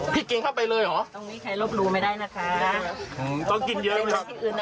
พลิกเกงเข้าไปเลยหรอตรงนี้ใครลบลูไม่ได้นะคะอืมต้องกินเยอะ